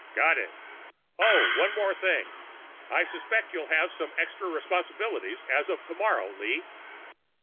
"Got it." "Oh, one more thing. I suspect you'll have some extra responsibilities as of tomorrow, Lee."